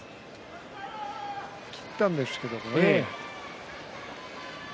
切ったんですけどね。